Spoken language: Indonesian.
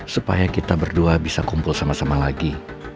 supaya kita berdua bisa kumpul sama sama lagi